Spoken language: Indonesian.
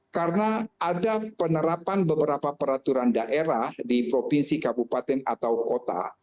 karena ada penerapan beberapa peraturan daerah di provinsi kabupaten atau kota